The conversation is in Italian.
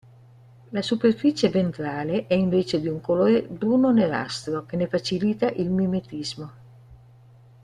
La superficie ventrale è invece di un colore bruno-nerastro che ne facilita il mimetismo.